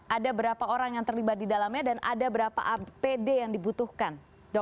ada berapa orang yang terlibat di dalamnya dan ada berapa apd yang dibutuhkan